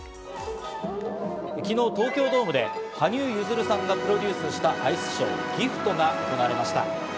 昨日、東京ドームで羽生結弦さんがプロデュースしたアイスショー・ＧＩＦＴが行われました。